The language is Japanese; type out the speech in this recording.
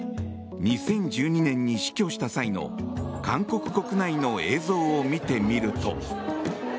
２０１２年に死去した際の韓国国内の映像を見てみると。